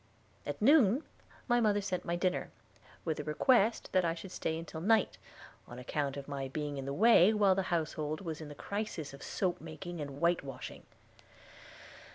At noon mother sent my dinner, with the request that I should stay till night, on account of my being in the way while the household was in the crisis of soap making and whitewashing.